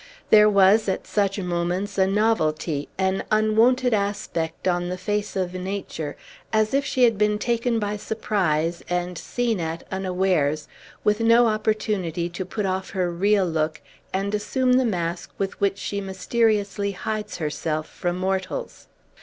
There was, at such moments, a novelty, an unwonted aspect, on the face of Nature, as if she had been taken by surprise and seen at unawares, with no opportunity to put off her real look, and assume the mask with which she mysteriously hides herself from mortals.